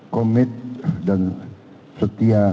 komit dan setia kepada